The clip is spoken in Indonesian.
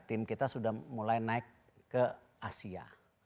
tim kita sudah mulai naik ke asia